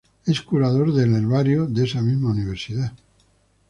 Es curador del herbario de esa misma universidad.